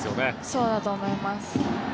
そうだと思います。